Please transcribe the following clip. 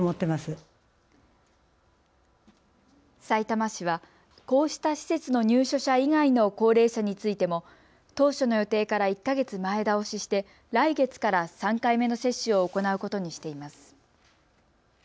さいたま市はこうした施設の入所者以外の高齢者についても当初の予定から１か月前倒しして来月から３回目の接種を行うことにしています。